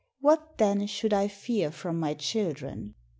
What, then, should I fear from my children?"